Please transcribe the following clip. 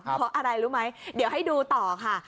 เพราะอะไรรู้ไหมเดี๋ยวให้ดูต่อค่ะ